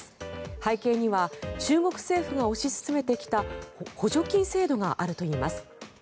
背景には中国政府が推し進めてきた補助金制度があるといいます。